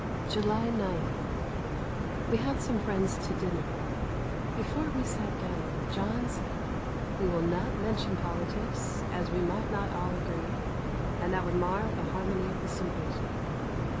July 9. We had some friends to dinner. Before we sat down, John said: "We will not mention politicks, as we might not all agree and that would mar the harmony of the symposium."